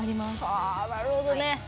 はなるほどね。